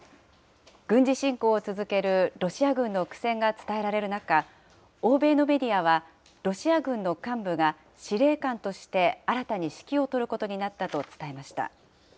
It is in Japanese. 軍事侵攻を続けるロシア軍の苦戦が続けられる中、欧米のメディアは、ロシア軍の幹部が司令官として、新たに指揮を執ることになったと伝えました。